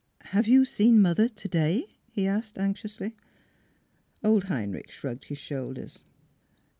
"Have you seen mother today?" he asked anxiously. Old Heinrich shrugged his shoulders.